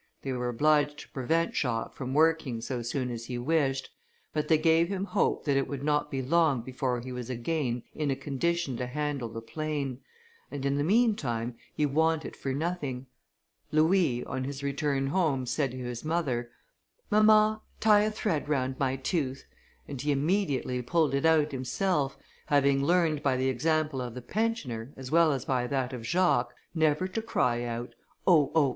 They were obliged to prevent Jacques from working so soon as he wished, but they gave him hope that it would not be long before he was again in a condition to handle the plane; and in the mean time he wanted for nothing. Louis, on his return home, said to his mother, "Mamma, tie a thread round my tooth," and he immediately pulled it out himself, having learned by the example of the pensioner, as well as by that of Jacques, never to cry out, "Oh! oh!